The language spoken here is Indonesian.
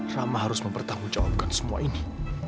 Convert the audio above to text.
rama harus mempertanggungjawabkan semua ini